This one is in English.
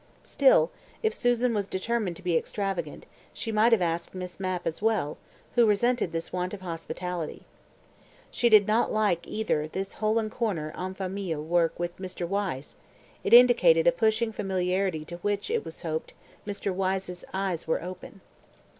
Still, if Susan was determined to be extravagant, she might have asked Miss Mapp as well, who resented this want of hospitality. She did not like, either, this hole and corner en famille work with Mr. Wyse; it indicated a pushing familiarity to which, it was hoped, Mr. Wyse's eyes were open.